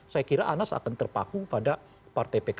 saya kira anas akan terpaku pada partai pkn nya